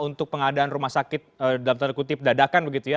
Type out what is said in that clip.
untuk pengadaan rumah sakit dalam tanda kutip dadakan begitu ya